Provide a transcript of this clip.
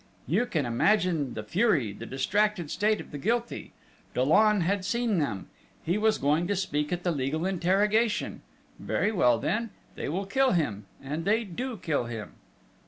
You can imagine the fury, the distracted state of the guilty! Dollon had seen them he was going to speak at the legal interrogation very well, then they will kill him and they do kill him...."